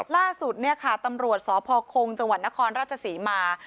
ล่าสุดเนี่ยค่ะตำรวจสพคงจังหวัดนครราชศรีมา